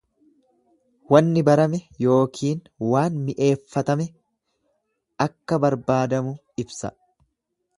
Wanni barame yookiin waan mi'eeffatame akkabarbaadamu ibsa.